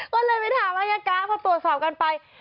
ก็เลยไปถามอายการพอตรวจสอบกันไป